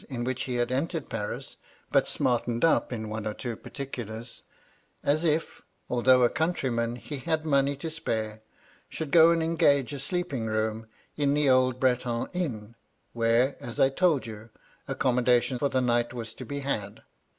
in which he had entered Paris, but smartened up m one or two particulars, as if, although a countryman, he had money to spare, should go and engage a sleep ing room in the old Breton Inn ; where, as I told you, accommodation for the night was to be had.